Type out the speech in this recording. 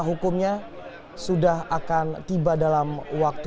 hukumnya sudah akan tiba dalam waktu